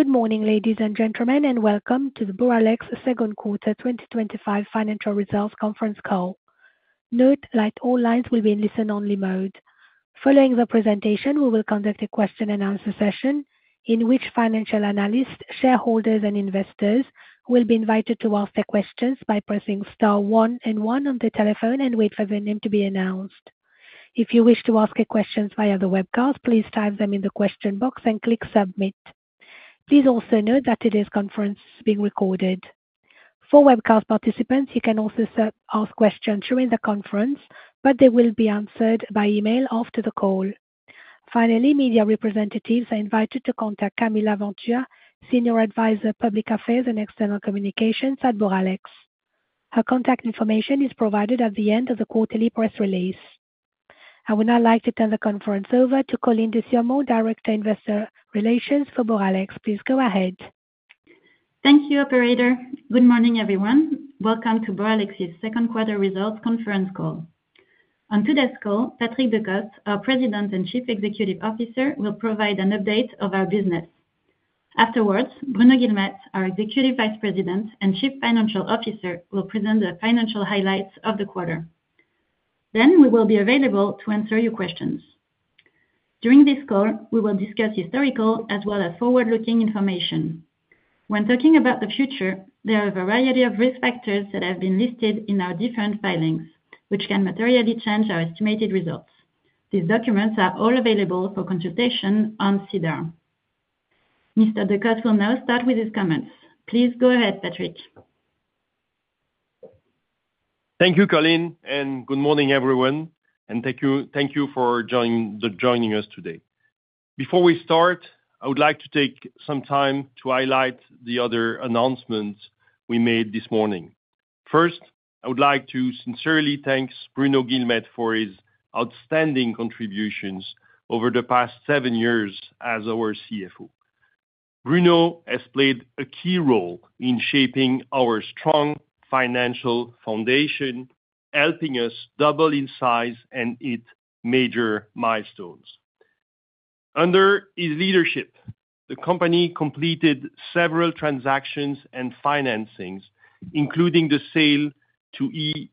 Good morning, ladies and gentlemen, and welcome to the Boralex Second Quarter 2025 Financial Results Conference Call. Note that all lines will be in listen-only mode. Following the presentation, we will conduct a question and answer session, in which financial analysts, shareholders, and investors will be invited to ask their questions by pressing star one and one on the telephone and wait for their name to be announced. If you wish to ask your questions via the webcast, please type them in the question box and click submit. Please also note that today's conference is being recorded. For webcast participants, you can also ask questions during the conference, but they will be answered by email after the call. Finally, media representatives are invited to contact Camille Laventure, Senior Advisor, Public Affairs and External Communications at Boralex. Her contact information is provided at the end of the quarterly press release. I would now like to turn the conference over to Coline Desurmont, Director of Investor Relations for Boralex. Please go ahead. Thank you, operator. Good morning, everyone. Welcome to Boralex's Second Quarter Results Conference call. On today's call, Patrick Decostre, our President and Chief Executive Officer, will provide an update of our business. Afterwards, Bruno Guilmette, our Executive Vice President and Chief Financial Officer, will present the financial highlights of the quarter. We will be available to answer your questions. During this call, we will discuss historical as well as forward-looking information. When talking about the future, there are a variety of risk factors that have been listed in our different filings, which can materially change our estimated results. These documents are all available for consultation on SEDAR. Mr. Decostre will now start with his comments. Please go ahead, Patrick. Thank you, Coline, and good morning, everyone, and thank you for joining us today. Before we start, I would like to take some time to highlight the other announcements we made this morning. First, I would like to sincerely thank Bruno Guilmette for his outstanding contributions over the past seven years as our CFO. Bruno has played a key role in shaping our strong financial foundation, helping us double in size and hit major milestones. Under his leadership, the company completed several transactions and financings, including the sale to the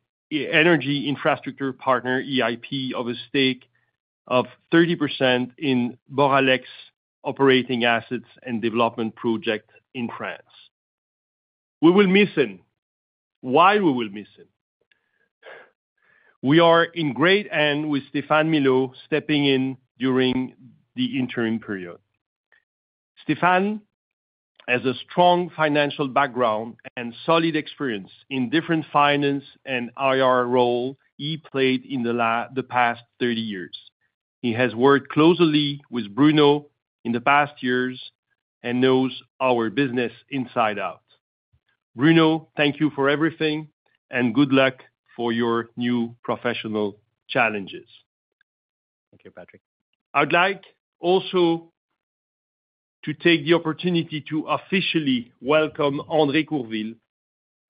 energy infrastructure partner, EIP, of a stake of 30% in Boralex operating assets and development project in France. We will miss him. We are in great hands with Stéphane Milot stepping in during the interim period. Stéphane has a strong financial background and solid experience in different finance and IR roles he played in the past 30 years. He has worked closely with Bruno in the past years and knows our business inside out. Bruno, thank you for everything and good luck for your new professional challenges. Thank you, Patrick. I would like also to take the opportunity to officially welcome André Courville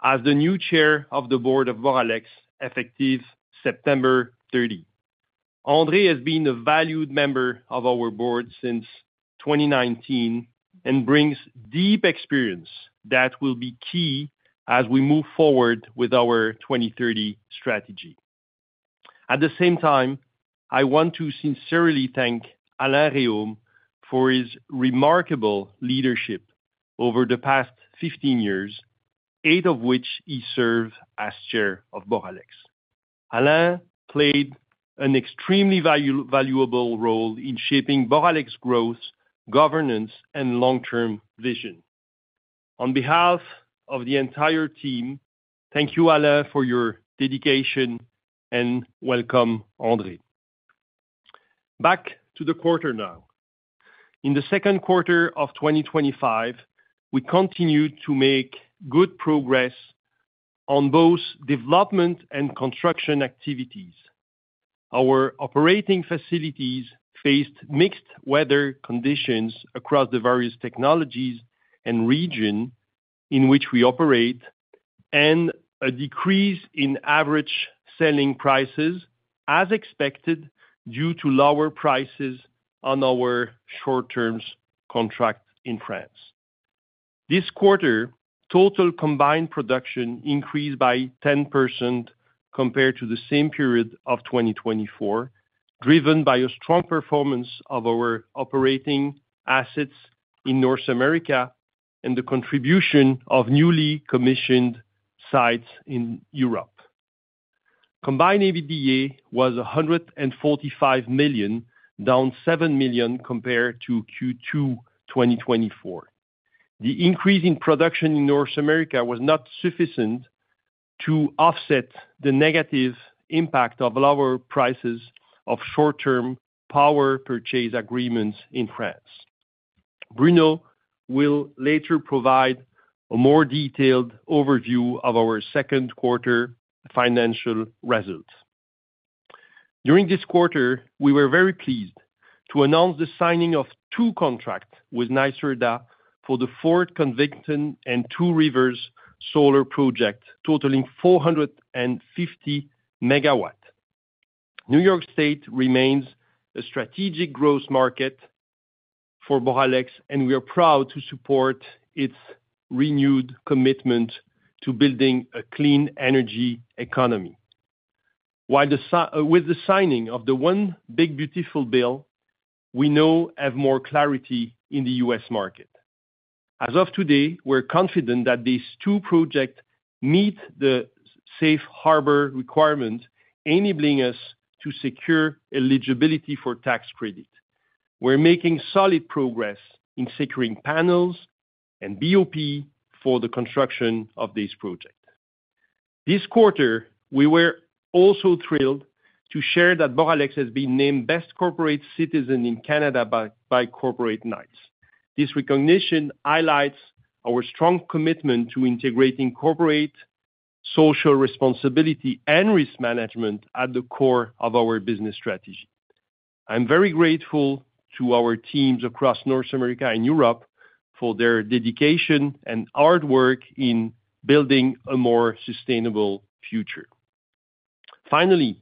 as the new Chair of the Board of Boralex, effective September 30. André has been a valued member of our Board since 2019 and brings deep experience that will be key as we move forward with our 2030 strategy. At the same time, I want to sincerely thank Alain Rhéaume for his remarkable leadership over the past 15 years, eight of which he served as Chair of Boralex. Alain played an extremely valuable role in shaping Boralex's growth, governance, and long-term vision. On behalf of the entire team, thank you, Alain, for your dedication, and welcome, André. Back to the quarter now. In the second quarter of 2025, we continued to make good progress on both development and construction activities. Our operating facilities faced mixed weather conditions across the various technologies and regions in which we operate, and a decrease in average selling prices, as expected, due to lower prices on our short-term contract in France. This quarter, total combined production increased by 10% compared to the same period of 2024, driven by a strong performance of our operating assets in North America and the contribution of newly commissioned sites in Europe. Combined EBITDA was $145 million, down $7 million compared to Q2 2024. The increase in production in North America was not sufficient to offset the negative impact of lower prices of short-term power purchase agreements in France. Bruno will later provide a more detailed overview of our second quarter financial results. During this quarter, we were very pleased to announce the signing of two contracts with NYSERDA for the Fort Covington and Two Rivers Solar project, totaling 450 MW. New York State remains a strategic growth market for Boralex, and we are proud to support its renewed commitment to building a clean energy economy. With the signing of the One Big Beautiful Bill, we now have more clarity in the U.S. market. As of today, we're confident that these two projects meet the Safe Harbor requirements, enabling us to secure eligibility for tax credit. We're making solid progress in securing panels and BOP for the construction of these projects. This quarter, we were also thrilled to share that Boralex has been named Best Corporate Citizen in Canada by Corporate Knights. This recognition highlights our strong commitment to integrating corporate social responsibility and risk management at the core of our business strategy. I'm very grateful to our teams across North America and Europe for their dedication and hard work in building a more sustainable future. Finally,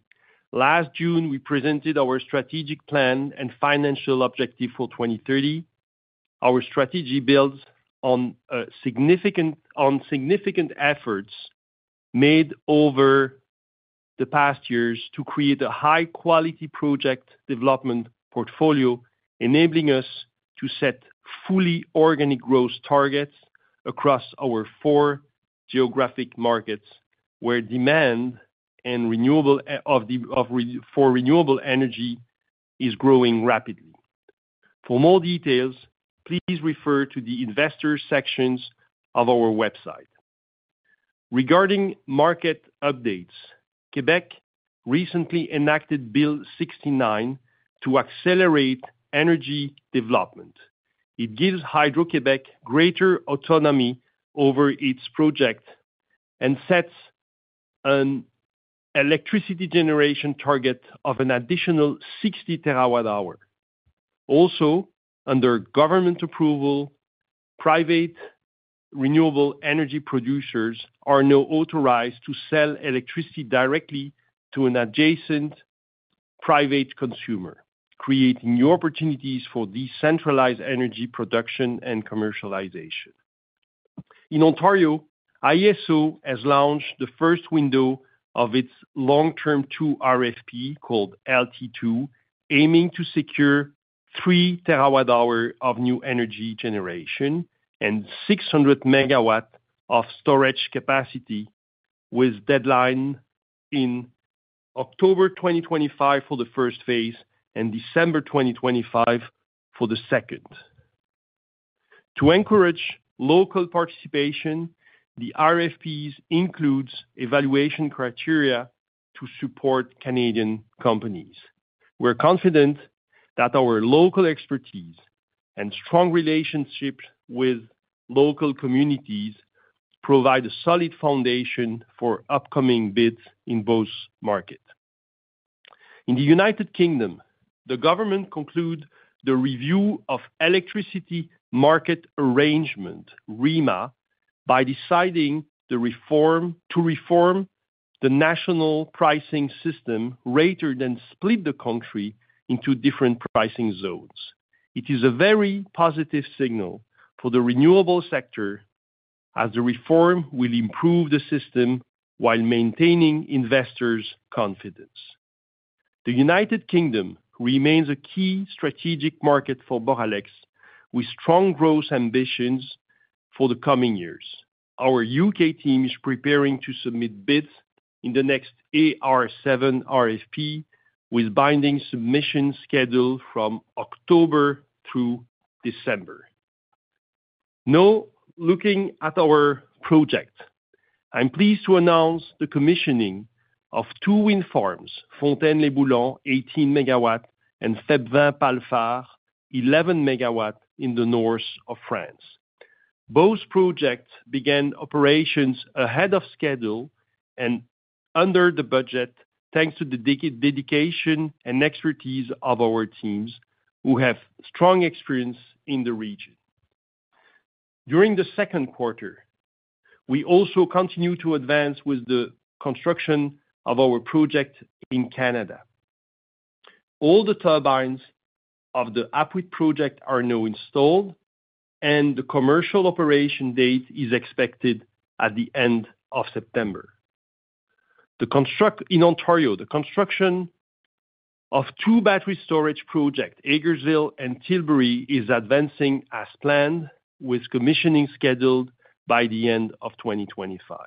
last June, we presented our strategic plan and financial objective for 2030. Our strategy builds on significant efforts made over the past years to create a high-quality project development portfolio, enabling us to set fully organic growth targets across our four geographic markets, where demand for renewable energy is growing rapidly. For more details, please refer to the Investors section of our website. Regarding market updates, Québec recently enacted Bill 69 to accelerate energy development. It gives Hydro-Québec greater autonomy over its project and sets an electricity generation target of an additional 60 TW-hour. Also, under government approval, private renewable energy producers are now authorized to sell electricity directly to an adjacent private consumer, creating new opportunities for decentralized energy production and commercialization. In Ontario, IESO has launched the first window of its long-term 2 RFP, called LT2, aiming to secure 3 TW-hour of new energy generation and 600 MW of storage capacity, with deadlines in October 2025 for the first phase and December 2025 for the second. To encourage local participation, the RFP includes evaluation criteria to support Canadian companies. We're confident that our local expertise and strong relationships with local communities provide a solid foundation for upcoming bids in both markets. In the United Kingdom, the government concluded the review of electricity market arrangements, REMA, by deciding to reform the national pricing system rather than split the country into different pricing zones. It is a very positive signal for the renewable sector, as the reform will improve the system while maintaining investors' confidence. The United Kingdom remains a key strategic market for Boralex, with strong growth ambitions for the coming years. Our U.K. team is preparing to submit bids in the next AR7 RFP, with binding submissions scheduled from October through December. Now, looking at our project, I'm pleased to announce the commissioning of two wind farms, Fontaine-les-Boulans, 18 MW, and Febvin-Palfart, 11 MW, in the north of France. Both projects began operations ahead of schedule and under the budget, thanks to the dedication and expertise of our teams, who have strong experience in the region. During the second quarter, we also continued to advance with the construction of our project in Canada. All the turbines of the Apuiat project are now installed, and the commercial operation date is expected at the end of September. In Ontario, the construction of two battery storage projects, Hagersville and Tilbury, is advancing as planned, with commissioning scheduled by the end of 2025.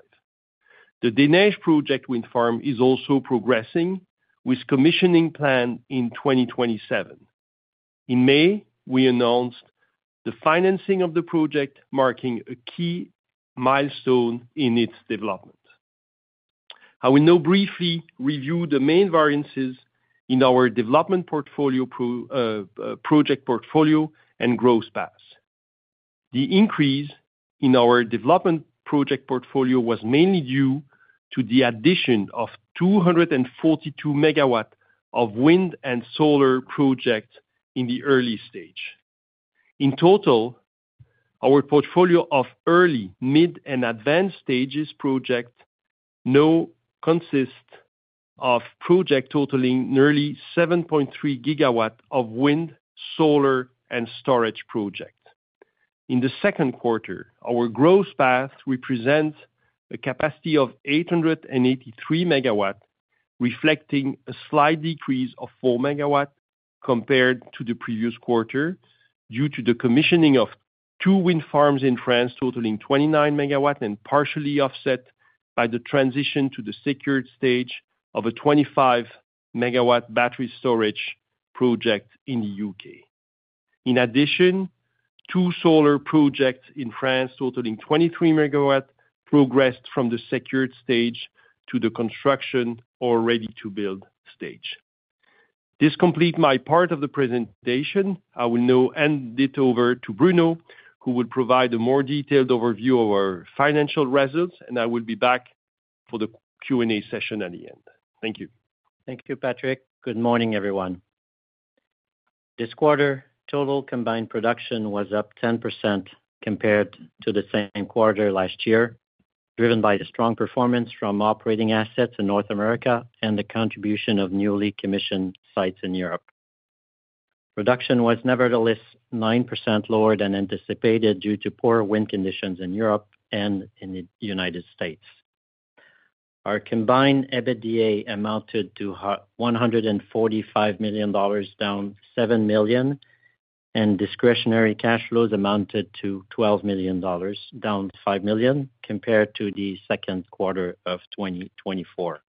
The Des Neiges project wind farm is also progressing, with commissioning planned in 2027. In May, we announced the financing of the project, marking a key milestone in its development. I will now briefly review the main variances in our development project portfolio and growth paths. The increase in our development project portfolio was mainly due to the addition of 242 MW of wind and solar projects in the early stage. In total, our portfolio of early, mid, and advanced stages projects now consists of projects totaling nearly 7.3 GW of wind, solar, and storage projects. In the second quarter, our growth path represents a capacity of 883 MW, reflecting a slight decrease of 4 MW compared to the previous quarter, due to the commissioning of two wind farms in France totaling 29 MW and partially offset by the transition to the secured stage of a 25 MW battery storage project in the U.K. In addition, two solar projects in France totaling 23 MW progressed from the secured stage to the construction or ready-to-build stage. This completes my part of the presentation. I will now hand it over to Bruno, who will provide a more detailed overview of our financial results, and I will be back for the Q&A session at the end. Thank you. Thank you, Patrick. Good morning, everyone. This quarter, total combined production was up 10% compared to the same quarter last year, driven by the strong performance from operating assets in North America and the contribution of newly commissioned sites in Europe. Production was nevertheless 9% lower than anticipated due to poor wind conditions in Europe and in the United States. Our combined EBITDA amounted to $145 million, down $7 million, and discretionary cash flows amounted to $12 million, down $5 million, compared to the second quarter of 2024.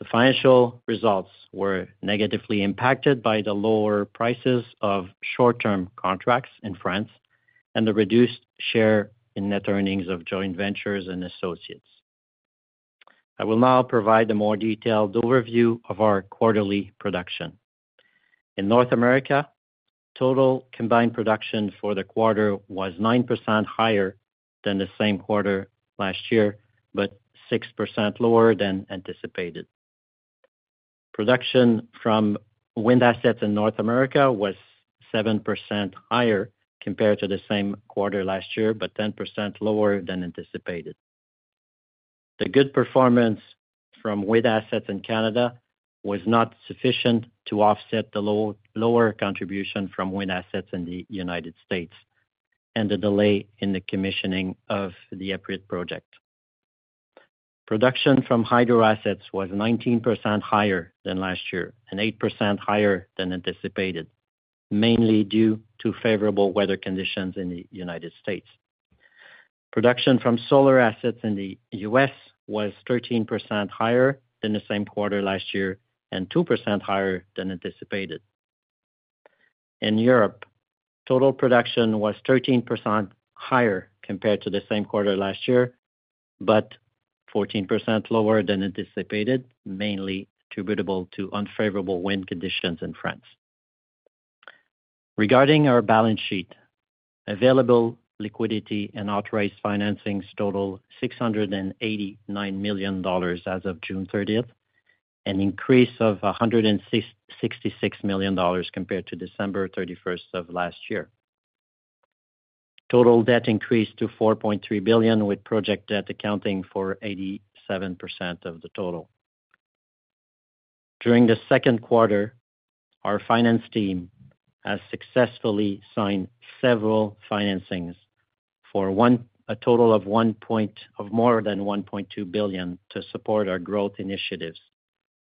The financial results were negatively impacted by the lower prices of short-term contracts in France and the reduced share in net earnings of joint ventures and associates. I will now provide a more detailed overview of our quarterly production. In North America, total combined production for the quarter was 9% higher than the same quarter last year, but 6% lower than anticipated. Production from wind assets in North America was 7% higher compared to the same quarter last year, but 10% lower than anticipated. The good performance from wind assets in Canada was not sufficient to offset the lower contribution from wind assets in the United States and the delay in the commissioning of the Apuiat project. Production from hydro assets was 19% higher than last year and 8% higher than anticipated, mainly due to favorable weather conditions in the United States. Production from solar assets in the U.S. was 13% higher than the same quarter last year and 2% higher than anticipated. In Europe, total production was 13% higher compared to the same quarter last year, but 14% lower than anticipated, mainly attributable to unfavorable wind conditions in France. Regarding our balance sheet, available liquidity and authorized financings total $689 million as of June 30th, an increase of $166 million compared to December 31st of last year. Total debt increased to $4.3 billion, with project debt accounting for 87% of the total. During the second quarter, our finance team has successfully signed several financings for a total of more than $1.2 billion to support our growth initiatives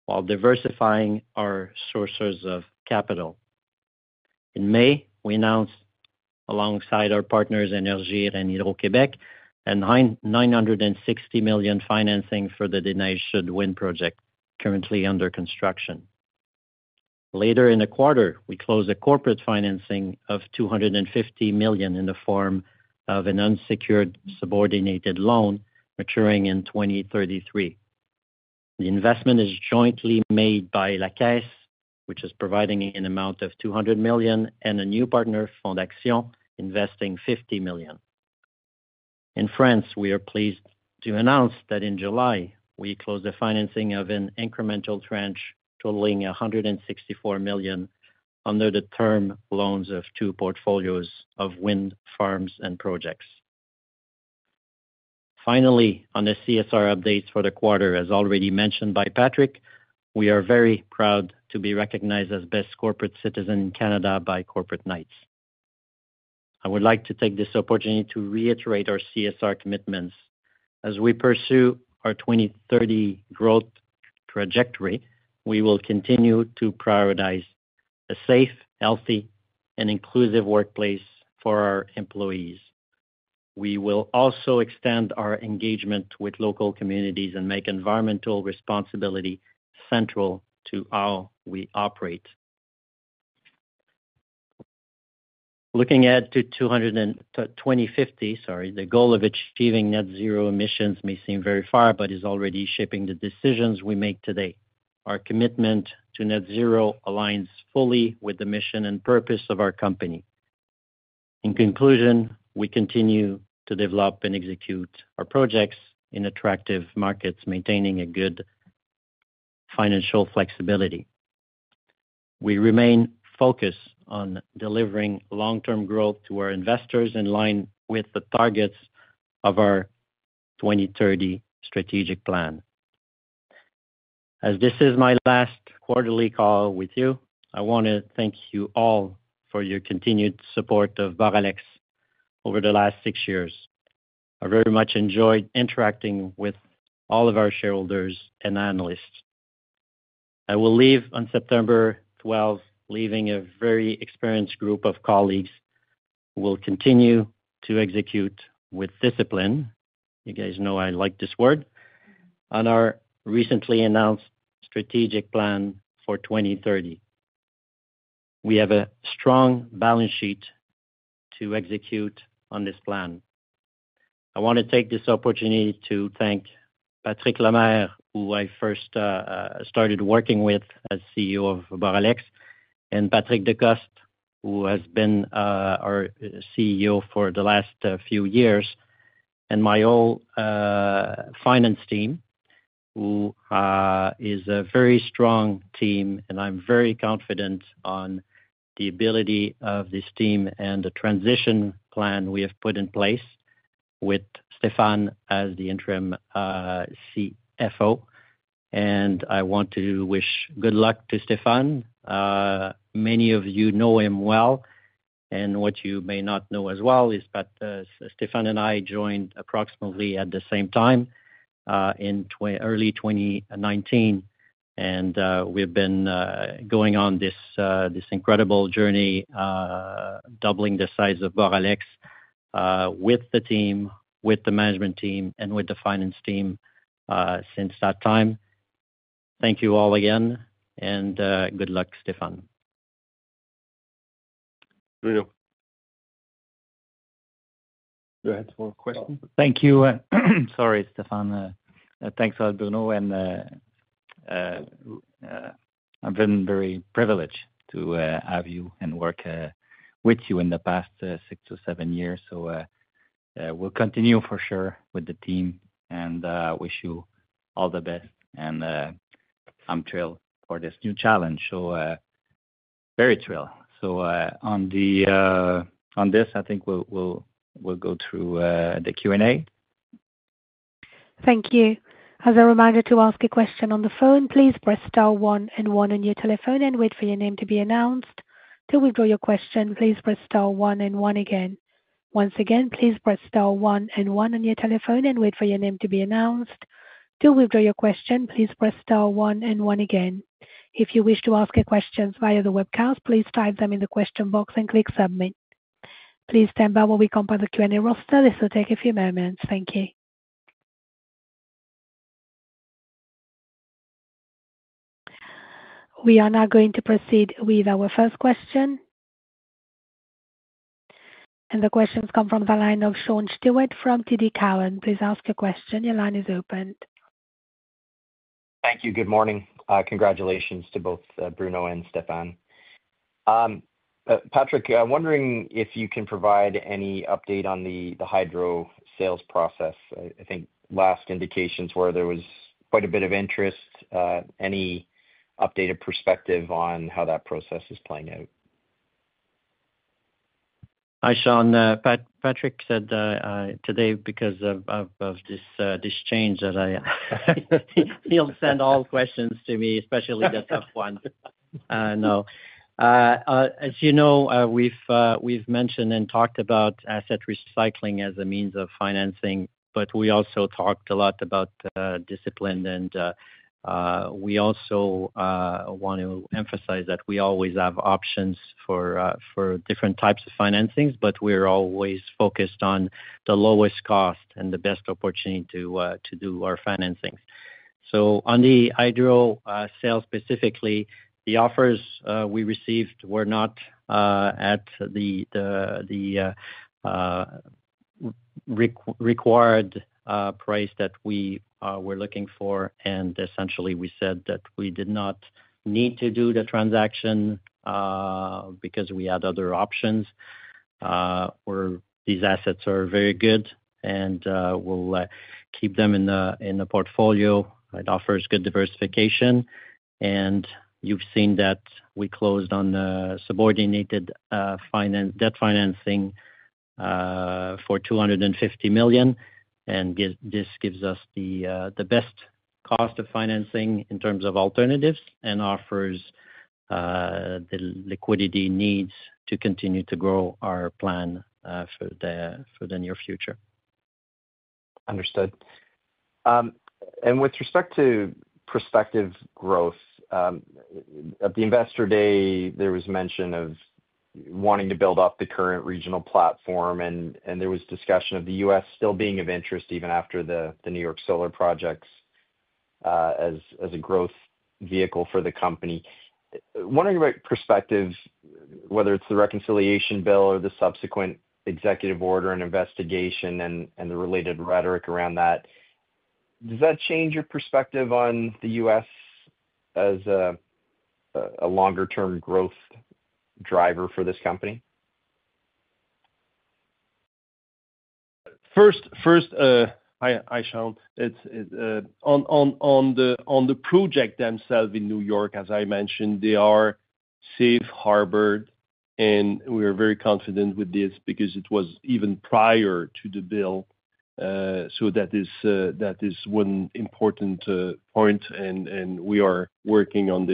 while diversifying our sources of capital. In May, we announced, alongside our partners Énergir and Hydro-Québec, a $960 million financing for the Des Neiges Sud wind project, currently under construction. Later in the quarter, we closed a corporate financing of $250 million in the form of an unsecured subordinated loan maturing in 2033. The investment is jointly made by La Caisse, which is providing an amount of $200 million, and a new partner, Fondaction, investing $50 million. In France, we are pleased to announce that in July, we closed the financing of an incremental tranche totaling $164 million under the term loans of two portfolios of wind farms and projects. Finally, on the CSR updates for the quarter, as already mentioned by Patrick, we are very proud to be recognized as Best Corporate Citizen in Canada by Corporate Knights. I would like to take this opportunity to reiterate our CSR commitments. As we pursue our 2030 growth trajectory, we will continue to prioritize a safe, healthy, and inclusive workplace for our employees. We will also extend our engagement with local communities and make environmental responsibility central to how we operate. Looking ahead to 2050, the goal of achieving net zero emissions may seem very far, but it is already shaping the decisions we make today. Our commitment to net zero aligns fully with the mission and purpose of our company. In conclusion, we continue to develop and execute our projects in attractive markets, maintaining a good financial flexibility. We remain focused on delivering long-term growth to our investors in line with the targets of our 2030 strategic plan. As this is my last quarterly call with you, I want to thank you all for your continued support of Boralex over the last six years. I very much enjoyed interacting with all of our shareholders and analysts. I will leave on September 12, leaving a very experienced group of colleagues who will continue to execute with discipline—you guys know I like this word—on our recently announced strategic plan for 2030. We have a strong balance sheet to execute on this plan. I want to take this opportunity to thank Patrick Lemaire, who I first started working with as CEO of Boralex, and Patrick Decostre, who has been our CEO for the last few years, and my whole finance team, who is a very strong team, and I'm very confident in the ability of this team and the transition plan we have put in place with Stéphane as the interim CFO. I want to wish good luck to Stéphane. Many of you know him well, and what you may not know as well is that Stéphane and I joined approximately at the same time in early 2019, and we've been going on this incredible journey, doubling the size of Boralex with the team, with the management team, and with the finance team since that time. Thank you all again, and good luck, Stéphane. Bruno. Go ahead. One question. Thank you. Sorry, it's Stéphane. Thanks for Bruno, and I've been very privileged to have you and work with you in the past 6-7 years. We'll continue, for sure, with the team, and wish you all the best. I'm thrilled for this new challenge, very thrilled. On this, I think we'll go through the Q&A. Thank you. As a reminder to ask a question on the phone, please press star one and one on your telephone and wait for your name to be announced. To withdraw your question, please press star one and one again. Once again, please press star one and one on your telephone and wait for your name to be announced. To withdraw your question, please press star one and one again. If you wish to ask a question via the webcast, please type them in the question box and click submit. Please stand by while we compile the Q&A roster. This will take a few moments. Thank you. We are now going to proceed with our first question. The questions come from the line of Sean Steuart from TD Cowen. Please ask your question. Your line is open. Thank you. Good morning. Congratulations to both Bruno and Stéphane. Patrick, I'm wondering if you can provide any update on the hydro sale process. I think last indications were there was quite a bit of interest. Any updated perspective on how that process is playing out? Hi, Sean. Patrick said today, because of this change, that he'll send all questions to me, especially the tough ones. As you know, we've mentioned and talked about asset recycling as a means of financing, but we also talked a lot about discipline. We also want to emphasize that we always have options for different types of financings, but we're always focused on the lowest cost and the best opportunity to do our financing. On the hydro sales specifically, the offers we received were not at the required price that we were looking for. Essentially, we said that we did not need to do the transaction because we had other options. These assets are very good, and we'll keep them in the portfolio. It offers good diversification. You've seen that we closed on subordinated debt financing for $250 million. This gives us the best cost of financing in terms of alternatives and offers the liquidity needs to continue to grow our plan for the near future. Understood. With respect to prospective growth, at the Investor Day, there was mention of wanting to build off the current regional platform, and there was discussion of the U.S. still being of interest, even after the New York solar projects, as a growth vehicle for the company. Wondering about your perspectives, whether it's the reconciliation bill or the subsequent executive order and investigation and the related rhetoric around that. Does that change your perspective on the U.S. as a longer-term growth driver for this company? First, hi, Sean. On the projects themselves in New York, as I mentioned, they are safe harbored, and we are very confident with this because it was even prior to the bill. That is one important point, and we are working on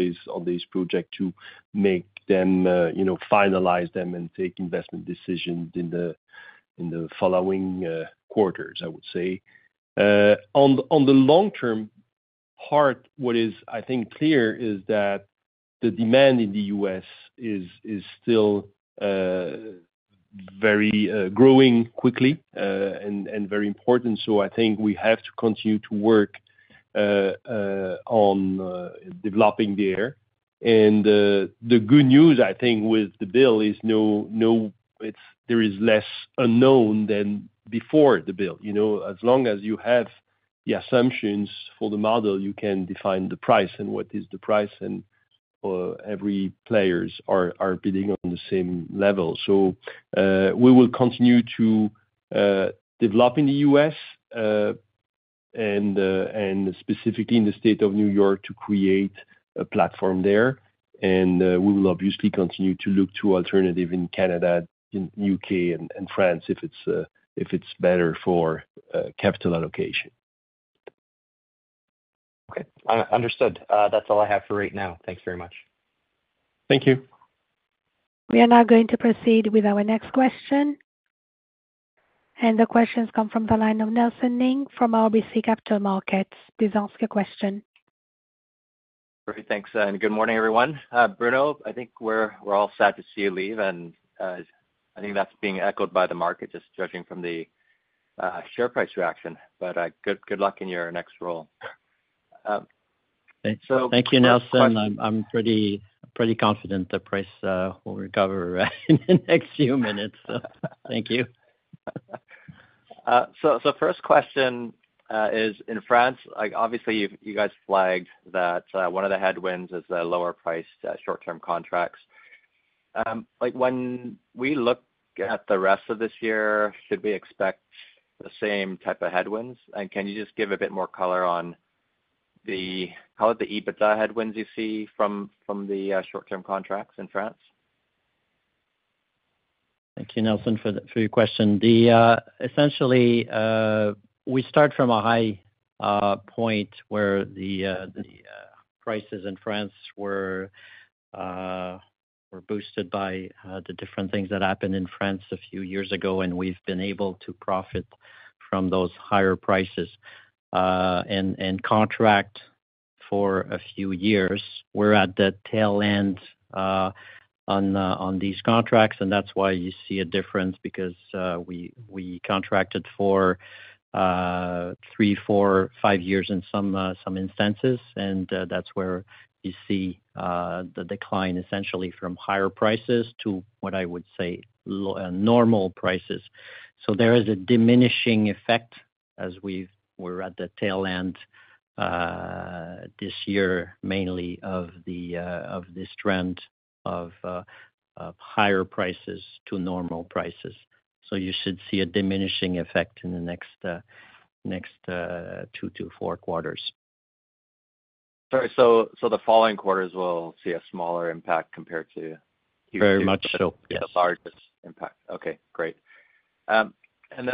these projects to finalize them and take investment decisions in the following quarters, I would say. On the long-term part, what is, I think, clear is that the demand in the U.S. is still growing quickly and very important. I think we have to continue to work on developing there. The good news, I think, with the bill is there is less unknown than before the bill. As long as you have the assumptions for the model, you can define the price and what is the price, and every player is bidding on the same level. We will continue to develop in the U.S. and specifically in the state of New York to create a platform there. We will obviously continue to look to alternatives in Canada, the U.K., and France if it's better for capital allocation. Okay. Understood. That's all I have for right now. Thanks very much. Thank you. We are now going to proceed with our next question. The questions come from the line of Nelson Ng from RBC Capital Markets. Please ask your question. Great. Thanks. Good morning, everyone. Bruno, I think we're all sad to see you leave, and I think that's being echoed by the market, just judging from the share price reaction. Good luck in your next role. Thank you, Nelson. I'm pretty confident the price will recover in the next few minutes. Thank you. In France, obviously, you guys flagged that one of the headwinds is the lower-priced short-term contracts. When we look at the rest of this year, should we expect the same type of headwinds? Can you just give a bit more color on the, call it, the EBITDA headwinds you see from the short-term contracts in France? Thank you, Nelson, for your question. Essentially, we start from a high point where the prices in France were boosted by the different things that happened in France a few years ago, and we've been able to profit from those higher prices and contract for a few years. We're at the tail end on these contracts, and that's why you see a difference because we contracted for three, four, five years in some instances. That's where you see the decline, essentially, from higher prices to what I would say normal prices. There is a diminishing effect as we're at the tail end this year, mainly of this trend of higher prices to normal prices. You should see a diminishing effect in the next two to four quarters. The following quarters will see a smaller impact compared to. Very much so. The largest impact. Okay. Great. The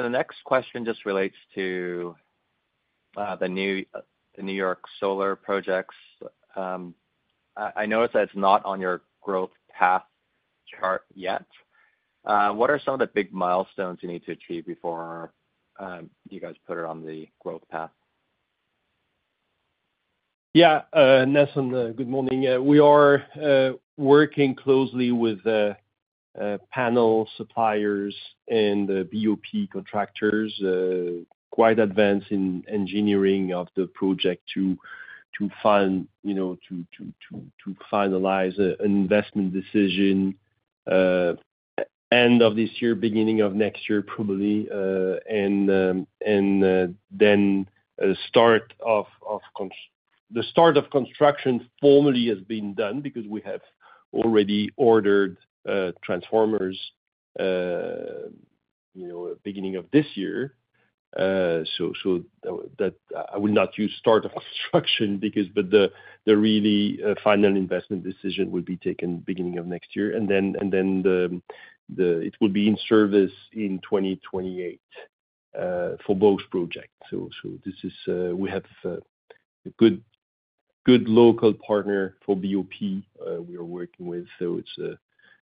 next question just relates to the New York solar projects. I noticed that it's not on your growth path chart yet. What are some of the big milestones you need to achieve before you guys put it on the growth path? Yeah. Nelson, good morning. We are working closely with the panel suppliers and the BOP contractors, quite advanced in engineering of the project to finalize an investment decision end of this year, beginning of next year, probably. The start of construction formally has been done because we have already ordered transformers at the beginning of this year. I will not use start of construction because, but the really final investment decision will be taken beginning of next year. It will be in service in 2028 for both projects. We have a good local partner for BOP we are working with.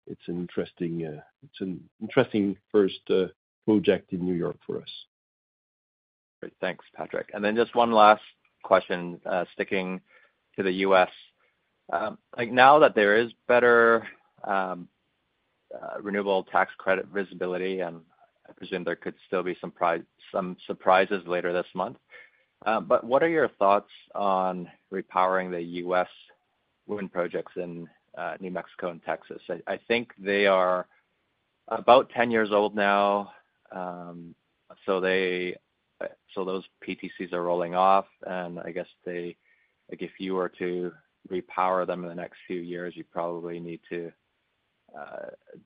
It's an interesting first project in New York for us. Great. Thanks, Patrick. Just one last question sticking to the U.S. Now that there is better renewable tax credit visibility, and I presume there could still be some surprises later this month, what are your thoughts on repowering the U.S. wind projects in New Mexico and Texas? I think they are about 10 years old now. Those PTCs are rolling off. I guess if you were to repower them in the next few years, you'd probably need to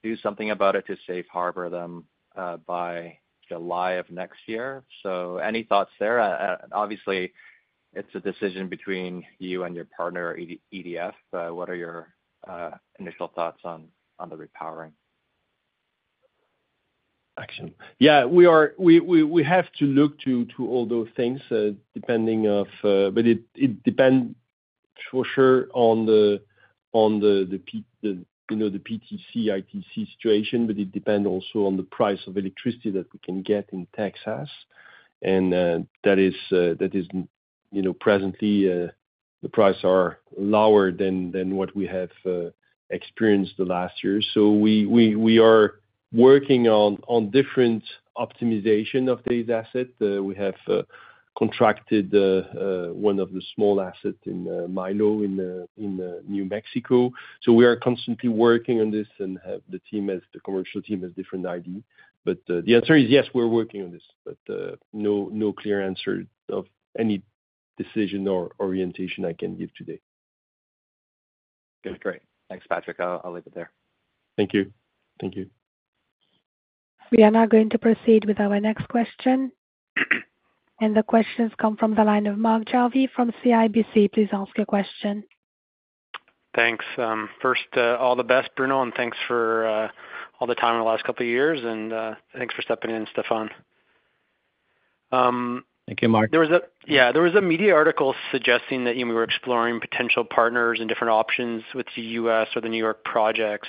do something about it to safe harbor them by July of next year. Any thoughts there? Obviously, it's a decision between you and your partner, EDF, but what are your initial thoughts on the repowering? Yeah. We have to look to all those things depending on, but it depends for sure on the PTC/ITC situation. It depends also on the price of electricity that we can get in Texas. That is presently, the prices are lower than what we have experienced the last year. We are working on different optimizations of these assets. We have contracted one of the small assets in Milo in New Mexico. We are constantly working on this, and the commercial team has different ideas. The answer is yes, we're working on this, but no clear answer of any decision or orientation I can give today. Okay. Great. Thanks, Patrick. I'll leave it there. Thank you. Thank you. We are now going to proceed with our next question. The questions come from the line of Mark Jarvi from CIBC. Please ask your question. Thanks. First, all the best, Bruno, and thanks for all the time in the last couple of years. Thanks for stepping in, Stéphane. Thank you, Mark. Yeah. There was a media article suggesting that we were exploring potential partners and different options with the U.S. or the New York projects.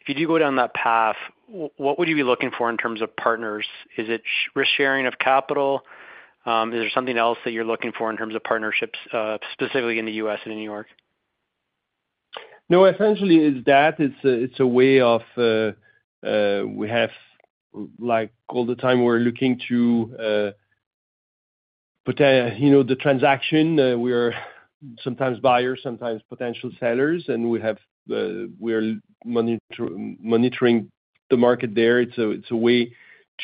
If you do go down that path, what would you be looking for in terms of partners? Is it risk-sharing of capital? Is there something else that you're looking for in terms of partnerships, specifically in the U.S. and in New York? No. Essentially, it's that. It's a way of, we have like all the time, we're looking to the transaction. We are sometimes buyers, sometimes potential sellers, and we are monitoring the market there. It's a way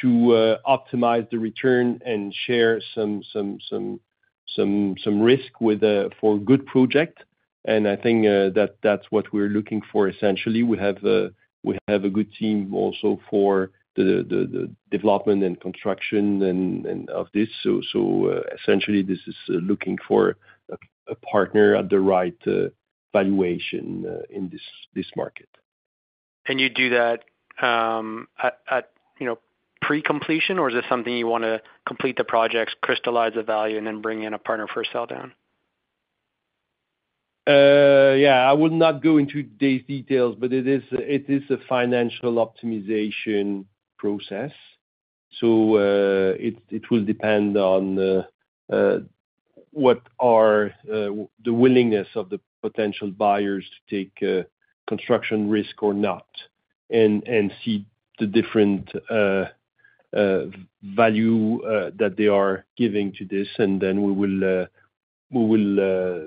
to optimize the return and share some risk for a good project. I think that that's what we're looking for, essentially. We have a good team also for the development and construction of this. Essentially, this is looking for a partner at the right valuation in this market. Do you do that at pre-completion, or is this something you want to complete the projects, crystallize the value, and then bring in a partner for a sell-down? Yeah. I will not go into these details, but it is a financial optimization process. It will depend on the willingness of the potential buyers to take construction risk or not and see the different value that they are giving to this. We will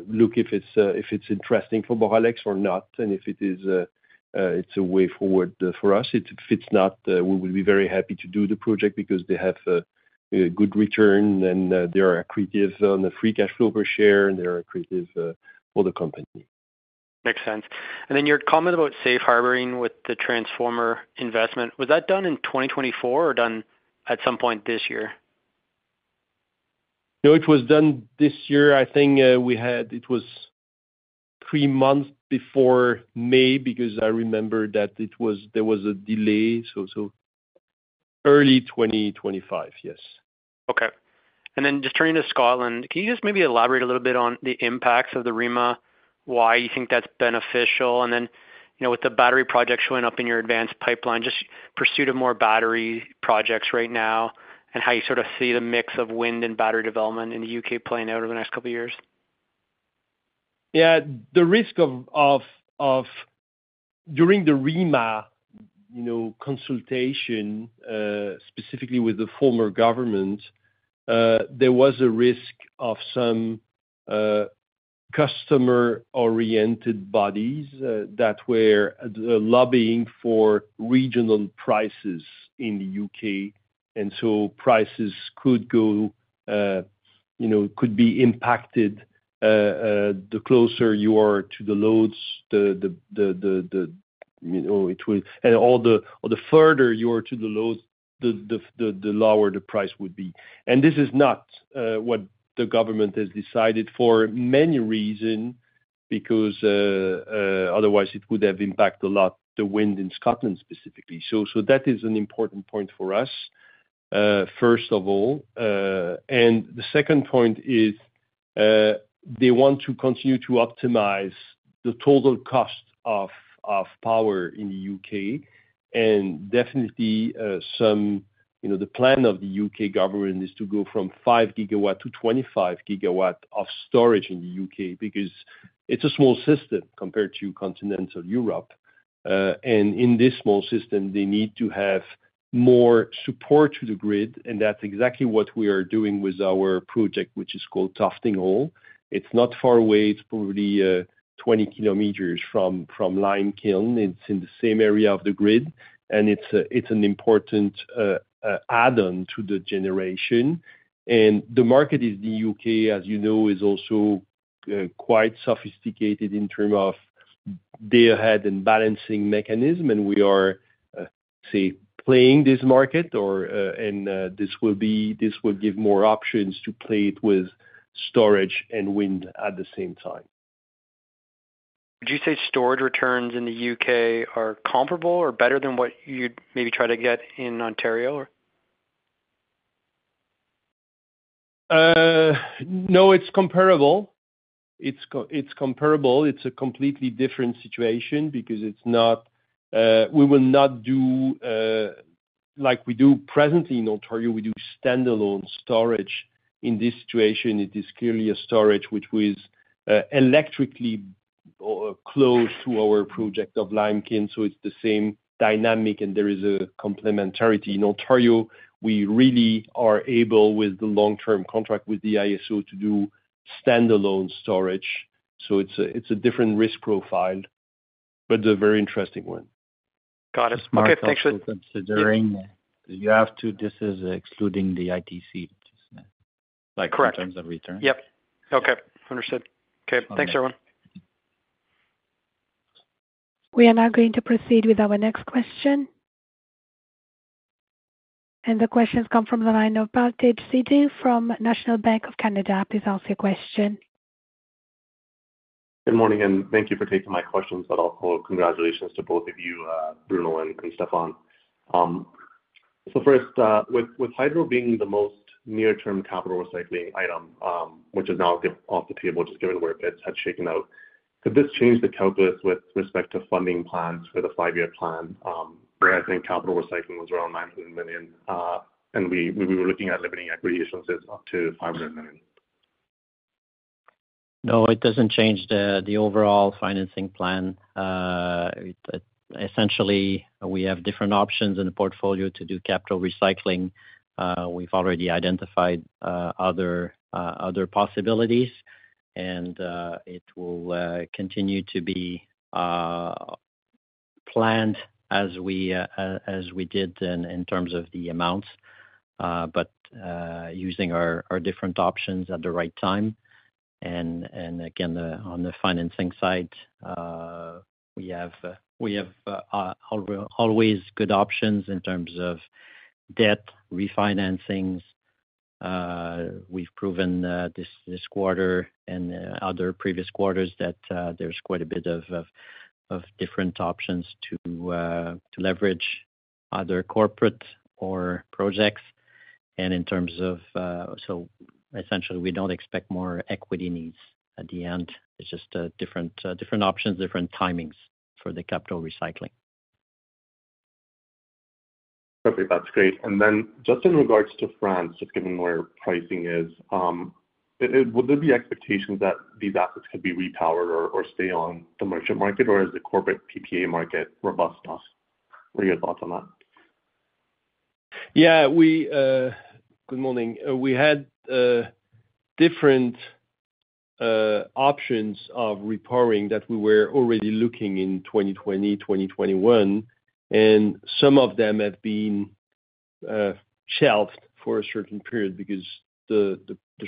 look if it's interesting for Boralex or not, and if it's a way forward for us. If it's not, we will be very happy to do the project because they have a good return, and they are accretive on the free cash flow per share, and they are accretive for the company. Makes sense. Your comment about safe harboring with the transformer investment, was that done in 2024 or done at some point this year? No, it was done this year. I think we had it was three months before May, because I remember that there was a delay. Early 2025, yes. Okay. Turning to Scotland, can you maybe elaborate a little bit on the impacts of the REMA? Why do you think that's beneficial? With the battery projects showing up in your advanced pipeline, is there pursuit of more battery projects right now, and how do you sort of see the mix of wind and battery development in the U.K. playing out over the next couple of years? Yeah. The risk of during the REMA consultation, specifically with the former government, there was a risk of some customer-oriented bodies that were lobbying for regional prices in the U.K. Prices could be impacted the closer you are to the loads, and the further you are to the load, the lower the price would be. This is not what the government has decided for many reasons, because otherwise, it would have impacted a lot the wind in Scotland specifically. That is an important point for us, first of all. The second point is they want to continue to optimize the total cost of power in the U.K. Definitely, the plan of the U.K. government is to go from 5 GW to 25 GW of storage in the U.K. because it's a small system compared to continental Europe. In this small system, they need to have more support to the grid. That's exactly what we are doing with our project, which is called Tafting Hole. It's not far away. It's probably 20 km from Lime Kiln. It's in the same area of the grid, and it's an important add-on to the generation. The market in the U.K., as you know, is also quite sophisticated in terms of day ahead and balancing mechanism. We are, say, playing this market, and this will give more options to play it with storage and wind at the same time. Would you say storage returns in the U.K. are comparable or better than what you'd maybe try to get in Ontario? No, it's comparable. It's a completely different situation because we will not do like we do presently in Ontario. We do standalone storage. In this situation, it is clearly a storage which was electrically close to our project of Lime Kiln. It's the same dynamic, and there is a complementarity. In Ontario, we really are able, with the long-term contract with the IESO, to do standalone storage. It's a different risk profile, but a very interesting one. Got it. Market, actually, considering you have to, this is excluding the ITC, which is like in terms of return. Correct. Yep. Okay. Understood. Okay. Thanks, everyone. We are now going to proceed with our next question. The questions come from the line of Baltej Sidhu from National Bank of Canada. Please ask your question. Good morning, and thank you for taking my questions. I'll call congratulations to both of you, Bruno and Stéphane. First, with hydro being the most near-term capital recycling item, which is now off the table just given where bids had shaken out, could this change the calculus with respect to funding plans for the five-year plan where I think capital recycling was around $900 million? We were looking at limiting equity issuances up to $500 million. No, it doesn't change the overall financing plan. Essentially, we have different options in the portfolio to do capital recycling. We've already identified other possibilities, and it will continue to be planned as we did in terms of the amounts, but using our different options at the right time. Again, on the financing side, we have always good options in terms of debt, refinancings. We've proven this quarter and other previous quarters that there's quite a bit of different options to leverage other corporate or projects. In terms of, so essentially, we don't expect more equity needs at the end. It's just different options, different timings for the capital recycling. Okay. That's great. Just in regards to France, just given where pricing is, would there be expectations that these assets could be repowered or stay on the merchant market, or is the corporate PPA market robust enough? What are your thoughts on that? Yeah. Good morning. We had different options of repowering that we were already looking at in 2020, 2021. Some of them have been shelved for a certain period because the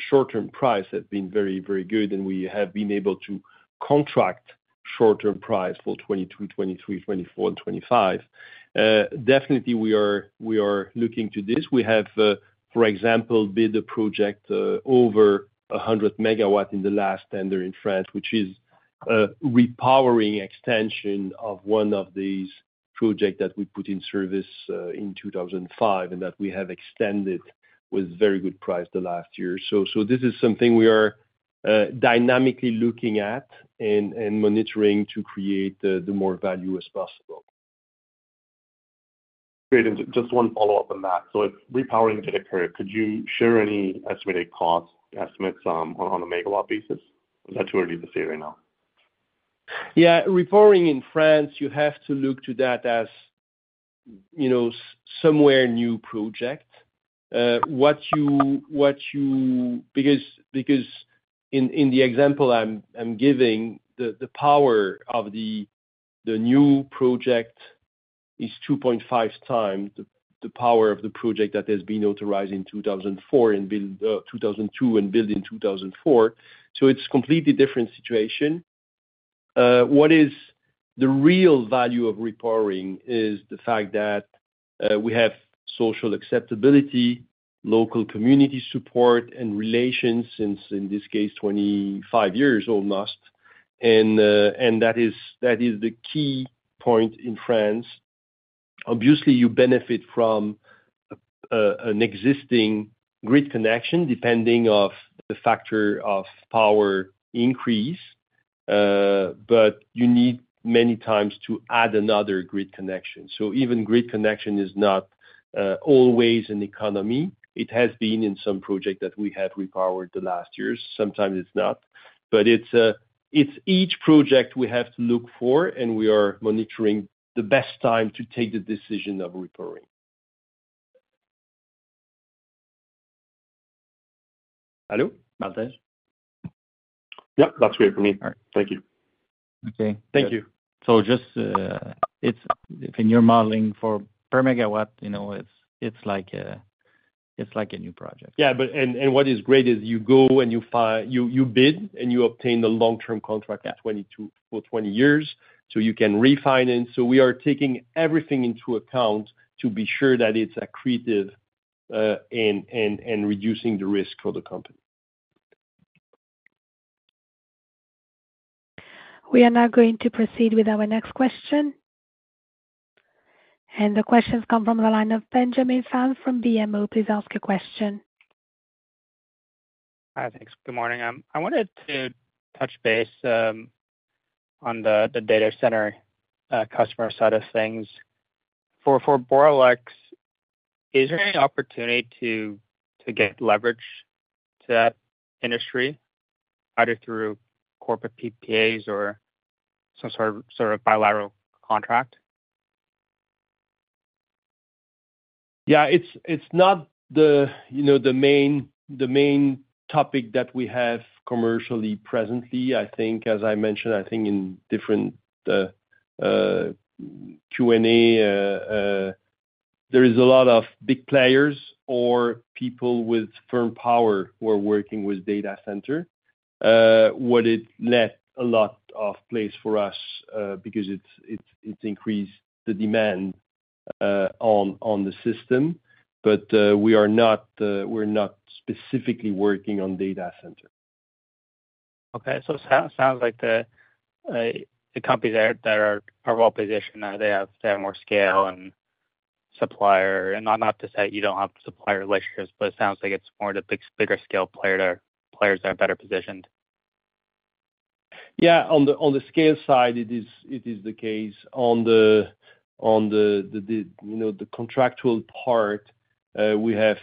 short-term price has been very, very good, and we have been able to contract short-term price for 2022, 2023, 2024, and 2025. Definitely, we are looking to this. We have, for example, bid a project over 100 MW in the last tender in France, which is a repowering extension of one of these projects that we put in service in 2005 and that we have extended with very good price the last year. This is something we are dynamically looking at and monitoring to create the more value as possible. Great. Just one follow-up on that. If repowering did occur, could you share any estimated cost estimates on a Megawatt basis? Is that too early to say right now? Yeah. Repowering in France, you have to look to that as a somewhat new project. What you, because in the example I'm giving, the power of the new project is 2.5x the power of the project that has been authorized in 2002 and built in 2004. It's a completely different situation. What is the real value of repowering is the fact that we have social acceptability, local community support, and relations since, in this case, almost 25 years. That is the key point in France. Obviously, you benefit from an existing grid connection depending on the factor of power increase, but you need many times to add another grid connection. Even grid connection is not always an economy. It has been in some projects that we have repowered the last years. Sometimes it's not. Each project we have to look for, and we are monitoring the best time to take the decision of repowering. Hello? Baltej? Yeah. That's great for me. All right, thank you. Okay. Thank you. If you're modeling for per Megawatt, you know it's like a new project. What is great is you go and you bid, and you obtain the long-term contract for 20 years, so you can refinance. We are taking everything into account to be sure that it's accretive and reducing the risk for the company. We are now going to proceed with our next question. The questions come from the line of Benjamin Pham from BMO. Please ask your question. Hi. Thanks. Good morning. I wanted to touch base on the data center customer side of things. For Boralex, is there any opportunity to get leverage to that industry, either through corporate PPAs or some sort of bilateral contract? Yeah. It's not the main topic that we have commercially presently. I think, as I mentioned, I think in different Q&A, there are a lot of big players or people with firm power who are working with data centers, which left a lot of place for us because it's increased the demand on the system. We are not specifically working on data center. It sounds like the companies there are well positioned now. They have more scale and supplier. Not to say you don't have supplier relationships, but it sounds like it's more of a bigger scale player that are better positioned. Yeah. On the scale side, it is the case. On the contractual part, we have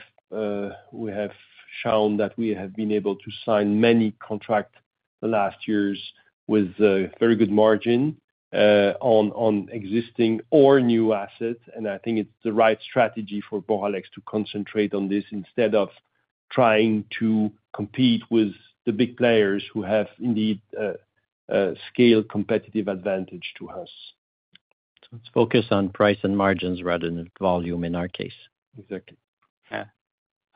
shown that we have been able to sign many contracts the last years with very good margin on existing or new assets. I think it's the right strategy for Boralex to concentrate on this instead of trying to compete with the big players who have indeed a scale competitive advantage to us. It is focused on price and margins rather than volume in our case. Exactly. Yeah.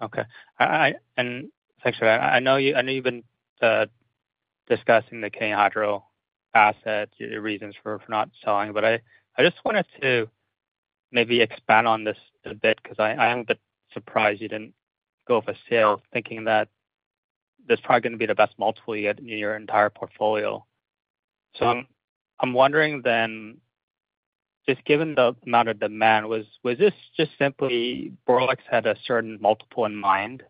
Okay. Thanks for that. I know you've been discussing the hydro asset, the reasons for not selling, but I just wanted to maybe expand on this a bit because I am a bit surprised you didn't go for sale thinking that this is probably going to be the best multiple you get in your entire portfolio. I'm wondering then, just given the amount of demand, was this just simply Boralex had a certain multiple in mind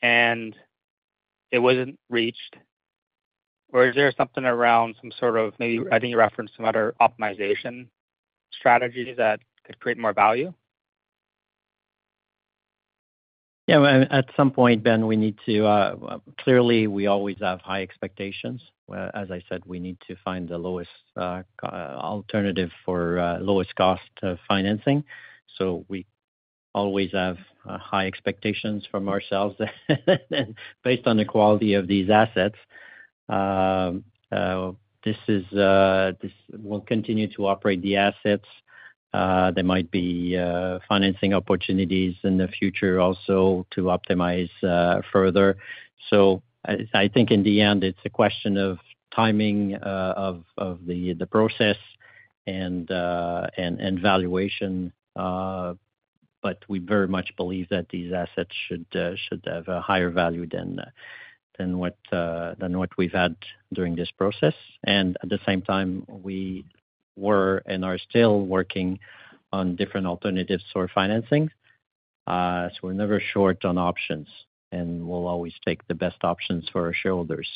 and it wasn't reached? Is there something around some sort of, maybe, I think you referenced some other optimization strategies that create more value? At some point, Ben, we need to clearly, we always have high expectations. As I said, we need to find the lowest alternative for lowest cost financing. We always have high expectations from ourselves. Based on the quality of these assets, we'll continue to operate the assets. There might be financing opportunities in the future also to optimize further. I think in the end, it's a question of timing of the process and valuation. We very much believe that these assets should have a higher value than what we've had during this process. At the same time, we were and are still working on different alternatives for financing. We're never short on options, and we'll always take the best options for our shareholders.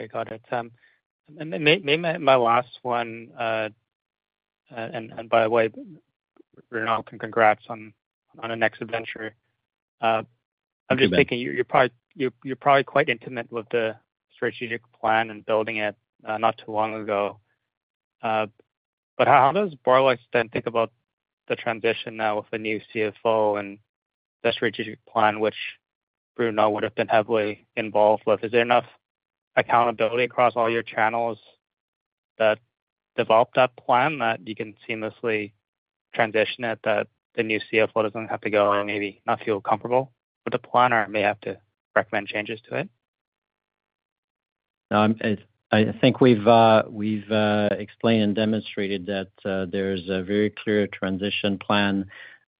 Okay. Got it. Maybe my last one, and by the way, Bruno, congrats on the next adventure. I'm just thinking you're probably quite intimate with the strategic plan and building it not too long ago. How does Boralex then think about the transition now with a new CFO and the strategic plan, which Bruno would have been heavily involved with? Is there enough accountability across all your channels that develop that plan that you can seamlessly transition it so that the new CFO doesn't have to go and maybe not feel comfortable with the plan or may have to recommend changes to it? No. I think we've explained and demonstrated that there's a very clear transition plan.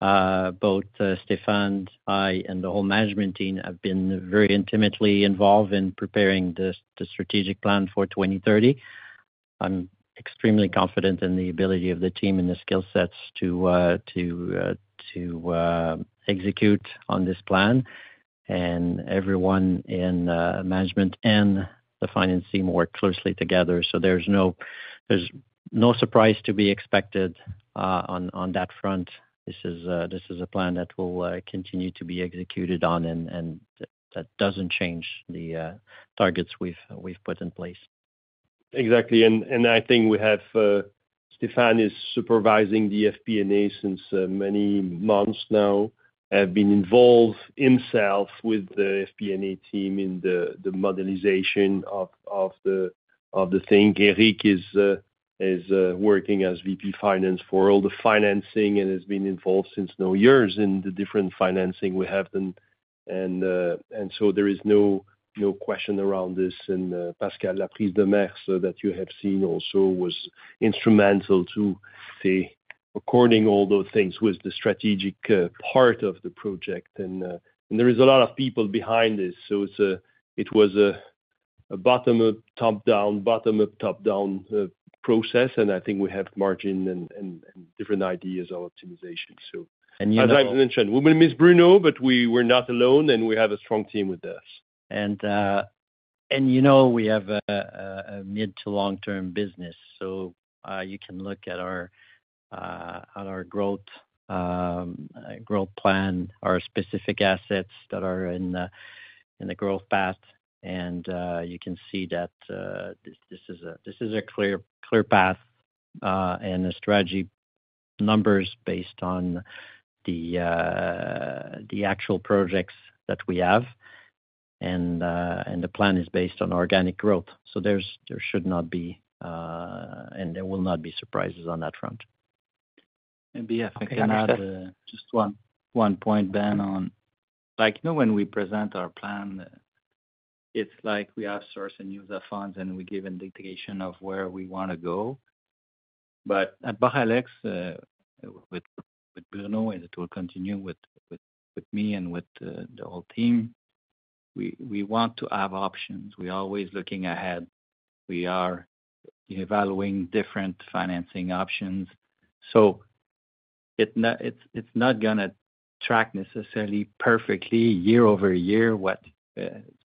Both Stéphane, I, and the whole management team have been very intimately involved in preparing the strategic plan for 2030. I'm extremely confident in the ability of the team and the skill sets to execute on this plan. Everyone in management and the finance team work closely together, so there's no surprise to be expected on that front. This is a plan that will continue to be executed on and that doesn't change the targets we've put in place. Exactly. I think we have Stéphane is supervising the FP&A since many months now. I've been involved in sales with the FP&A team in the modernization of the thing. Eric is working as VP Finance for all the financing and has been involved since now years in the different financing we have done. There is no question around this. Pascal Lapris-Demers, that you have seen also, was instrumental to, say, according to all those things with the strategic part of the project. There are a lot of people behind this. It was a bottom-up, top-down, bottom-up, top-down process. I think we have margin and different ideas of optimization. You know. As I've mentioned, we will miss Bruno, but we're not alone, and we have a strong team with us. We have a mid to long-term business. You can look at our growth plan, our specific assets that are in the growth path, and you can see that this is a clear path and the strategy numbers are based on the actual projects that we have. The plan is based on organic growth. There should not be, and there will not be, surprises on that front. BF, I can add just one point, Ben, on like, you know when we present our plan, it's like we outsource and use the funds, and we give a dictation of where we want to go. At Boralex, with Bruno, and it will continue with me and with the whole team, we want to have options. We're always looking ahead. We are evaluating different financing options. It's not going to track necessarily perfectly year over year what's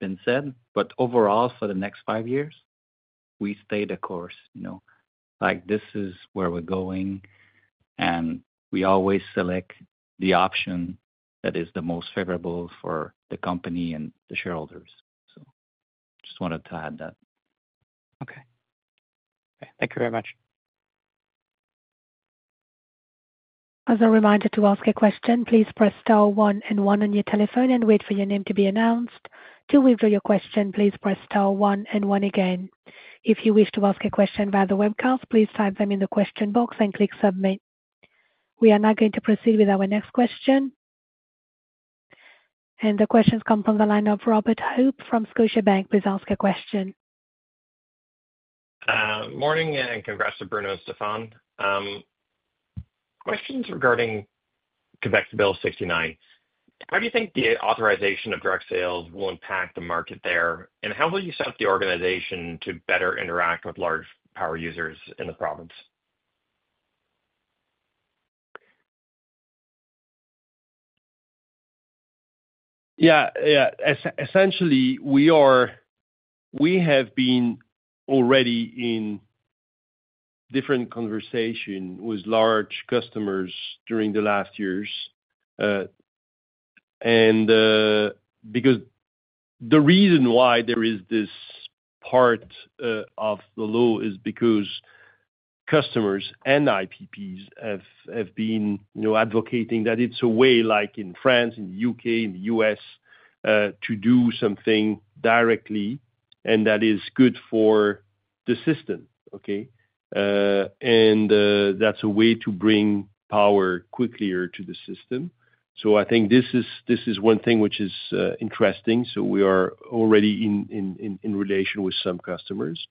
been said. Overall, for the next five years, we stay the course. This is where we're going, and we always select the option that is the most favorable for the company and the shareholders. I just wanted to add that. Okay. Thank you very much. As a reminder to ask a question, please press star one and one on your telephone and wait for your name to be announced. To withdraw your question, please press star one and one again. If you wish to ask a question via the webcast, please type them in the question box and click submit. We are now going to proceed with our next question. The questions come from the line of Robert Hope from Scotiabank. Please ask your question. Morning, and congrats to Bruno and Stéphane. Questions regarding Québec's Bill 69. How do you think the authorization of drug sales will impact the market there, and how will you set up the organization to better interact with large power users in the province? Yeah. Yeah. Essentially, we have been already in different conversations with large customers during the last years. The reason why there is this part of the law is because customers and IPPs have been advocating that it's a way, like in France, in the U.K., in the U.S., to do something directly and that is good for the system, okay? That's a way to bring power quickly to the system. I think this is one thing which is interesting. We are already in relation with some customers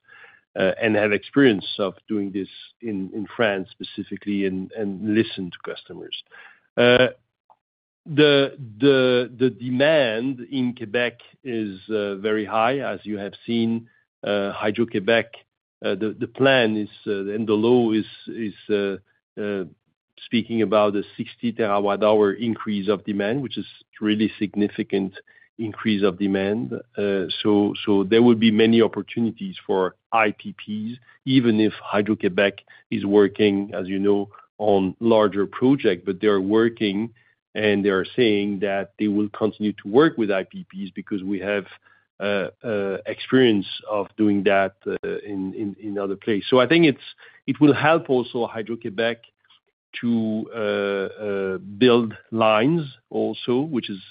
and have experience of doing this in France specifically and listen to customers. The demand in Québec is very high, as you have seen. Hydro-Québec, the plan is and the law is speaking about a 60 TW-hour increase of demand, which is a really significant increase of demand. There will be many opportunities for IPPs, even if Hydro-Québec is working, as you know, on larger projects. They are working, and they are saying that they will continue to work with IPPs because we have experience of doing that in other places. I think it will help also Hydro-Québec to build lines also, which is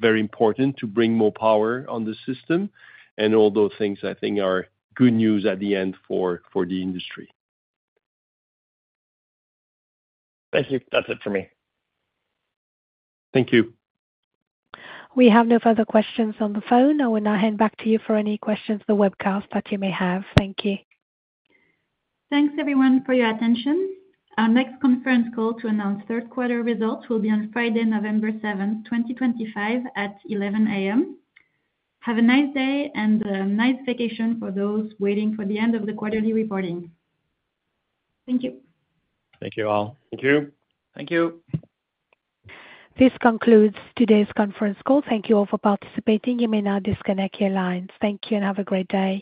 very important to bring more power on the system. All those things, I think, are good news at the end for the industry. Thank you. That's it for me. Thank you. We have no further questions on the phone. I will now hand back to you for any questions for the webcast that you may have. Thank you. Thanks, everyone, for your attention. Our next conference call to announce third-quarter results will be on Friday, November 7, 2025, at 11:00 A.M. Have a nice day and a nice vacation for those waiting for the end of the quarterly reporting. Thank you. Thank you all. Thank you. Thank you. This concludes today's conference call. Thank you all for participating. You may now disconnect your lines. Thank you and have a great day.